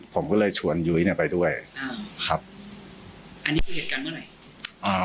ผมก็เลยชวนยุ้ยเนี่ยไปด้วยครับอันนี้เกิดกันเมื่อไหน